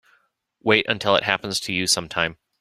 Wait until it happens to you sometime.